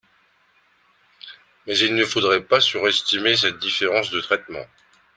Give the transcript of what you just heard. Mais il ne faudrait pas surestimer cette différence de traitement.